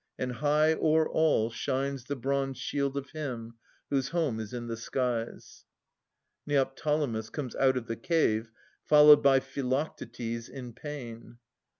And high o'er all Shines the bronze shield of him, whose home is in the skies ^ [Neoptolemus comes out of the cave, followed by Philoctetes in pain.